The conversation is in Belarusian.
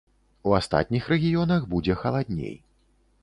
У астатніх рэгіёнах будзе халадней.